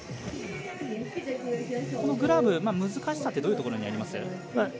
このグラブ、難しさってどういうところにあります？